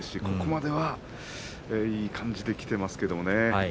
ここまではいい感じできています。